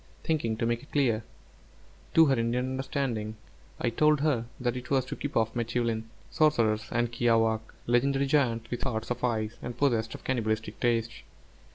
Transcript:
Thinking to make it clear to her Indian understanding, I told her that it was to keep off m'tēūlin, sorcerers, and kiawākq' (legendary giants with hearts of ice, and possessed of cannibalistic tastes).